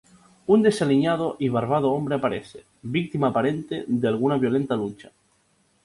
Un desaliñado y barbado hombre aparece, víctima aparente de alguna violenta lucha.